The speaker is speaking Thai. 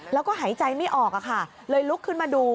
แล้วก็หายใจไม่ออกอะค่ะเลยลุกขึ้นมาดู